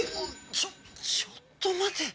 ちょっちょっと待て。